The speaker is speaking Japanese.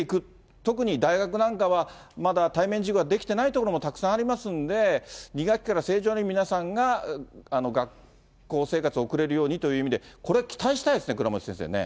特に大学なんかは、まだ対面授業ができていないところもたくさんありますので、２学期から正常に皆さんが学校生活を送れるようにという意味で、これ、期待したいですね、倉持先生ね。